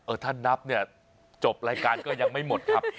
ถ้านับเนี่ยจบรายการก็ยังไม่หมดครับ